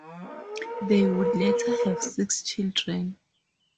They would later have six children.